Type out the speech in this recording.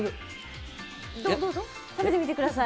どうぞ、食べてみてください。